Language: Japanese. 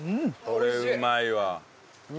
これうまいわ。